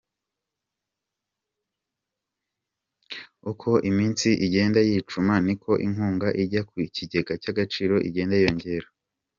Uko iminsi igenda yicuma niko inkunga ijya mu kigega cy’Agaciro igenda yiyongera